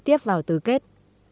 tiếp vào tứ kết